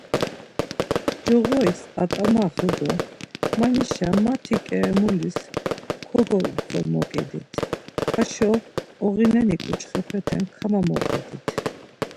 Coğoris at̆amaxu do, Manişa mati ǩeremulis kogotzomoǩidit, haşo ogineni ǩuçxepete kamamoǩidit.